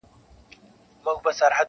• نه هوسيو غوندي ښكلي نجوني غورځي -